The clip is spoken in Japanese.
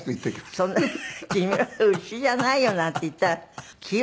そんな君は牛じゃないよなんて言ったら気ぃ